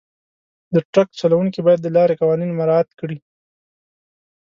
د ټرک چلونکي باید د لارې قوانین مراعات کړي.